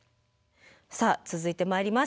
さあ続いてまいります。